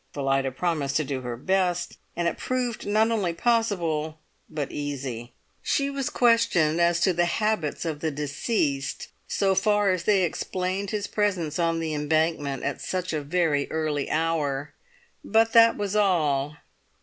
Phillida promised to do her best, and it proved not only possible but easy. She was questioned as to the habits of the deceased so far as they explained his presence on the Embankment at such a very early hour, but that was all.